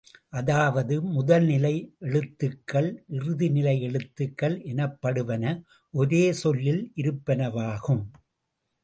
அதாவது, முதல்நிலை எழுத்துகள் இறுதிநிலை எழுத்துகள் எனப்படுவன ஒரே சொல்லில் இருப்பனவாகும்.